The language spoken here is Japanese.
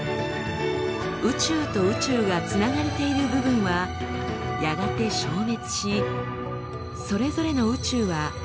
宇宙と宇宙がつながれている部分はやがて消滅しそれぞれの宇宙は離れ離れになります。